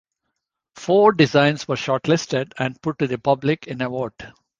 Four designs were shortlisted and put to the public in a vote.